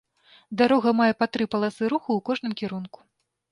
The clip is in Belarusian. Дарога мае па тры паласы руху у кожным кірунку.